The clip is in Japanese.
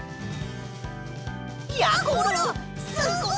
やころすごい！